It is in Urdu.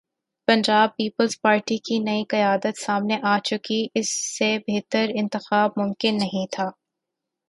پنجاب پیپلزپارٹی کی نئی قیادت سامنے آ چکی اس سے بہتر انتخاب ممکن نہیں تھا۔